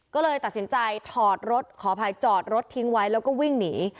ก็เลยตัดสินใจถอดรถขออภัยจอดรถทิ้งไว้แล้วก็วิ่งหนี